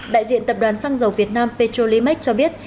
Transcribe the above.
đại diện tập đoàn xăng dầu việt nam petrolimax cho biết